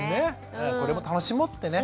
これも楽しもうってね。